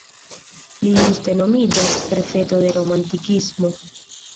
Li juste nomiĝas "profeto de Romantikismo".